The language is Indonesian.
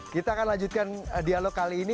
kita akan lanjutkan dialog kali ini